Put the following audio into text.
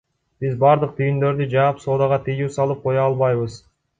Биз бардык түйүндөрдү жаап, соодага тыюу салып кое албайбыз.